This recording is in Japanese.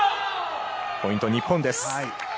ポイント、日本です。